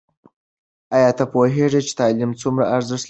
ایا ته پوهېږې چې تعلیم څومره ارزښت لري؟